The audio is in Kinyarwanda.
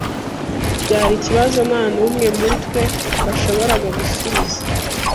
Byari ikibazo ntanumwe muri twe washoboraga gusubiza.